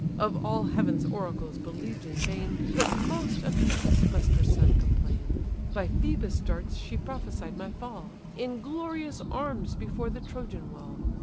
Of all heaven's oracles believed in vain, But most of Thetis must her son complain; By Phœbus' darts she prophesied my fall, In glorious arms before the Trojan wall.